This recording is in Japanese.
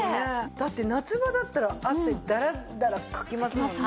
だって夏場だったら汗ダラダラかきますもんね。